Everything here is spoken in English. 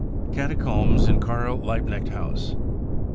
Catacombs in Karl Liebknecht House.